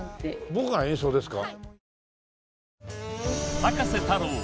僕が演奏ですか？